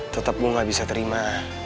tetep gue nggak bisa terima